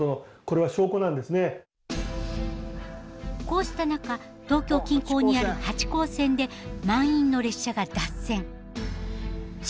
こうした中東京近郊にある八高線で満員の列車が脱線。